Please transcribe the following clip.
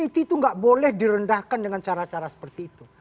itu nggak boleh direndahkan dengan cara cara seperti itu